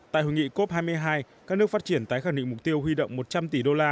tại hội nghị cop hai mươi hai các nước phát triển tái khẳng định mục tiêu huy động một trăm linh tỷ đô la